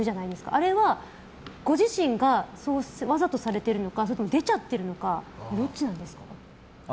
あれはご自身がわざとされてるのかそれとも出ちゃっているのかどっちなんですか。